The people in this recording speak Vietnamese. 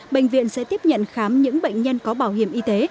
bệnh viện sẽ tiếp nhận khám những bệnh nhân có bảo hiểm y tế